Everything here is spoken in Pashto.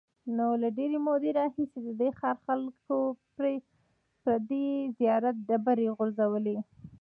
نو له ډېرې مودې راهیسې د دې ښار خلکو پر دې زیارت ډبرې غورځولې.